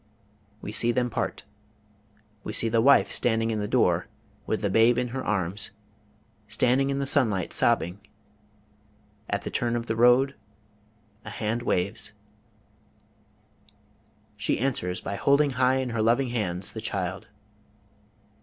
We see them part. We see the wife standing in the door, with the babe in her arms standing in the sunlight sobbing; at the turn of the road a hand waves she answers by holding high in her loving hands the child.